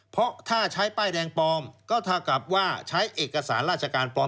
เพราะถ้าใช้ป้ายแดงปลอมก็เท่ากับว่าใช้เอกสารราชการปลอม